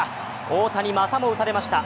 大谷、またも打たれました。